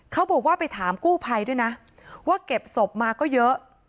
เขาบอกว่าไปถามกู้ภัยด้วยนะว่าเก็บศพมาก็เยอะ